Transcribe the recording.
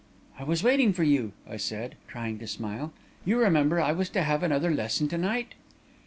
"'I was waiting for you,' I said, trying to smile. 'You remember I was to have another lesson to night.'